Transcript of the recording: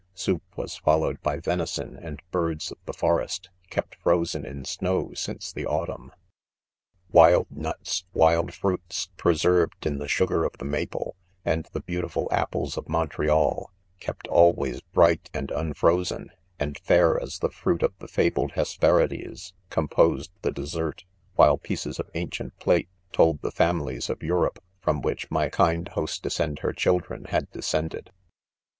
Soup was followed by venison and birds of the forest, kept frozen in snow, since the autumn. c Wild nutSj wild fruits preserved in the su gar of the maple, and the beautiful apples of Montreal, kept always bright and unfrozen,* f ' No apples in the world are more beautiful than those f5 ISO EDQMEN* and fair as the fruit of the fabled Hesperides, composed the dessert, while pieces of ancient plate told the families of 'Europe from which my kind hostess and her children had descent ded.